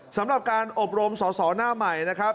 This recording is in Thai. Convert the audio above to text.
สำหรับการอบรมสอสอหน้าใหม่นะครับ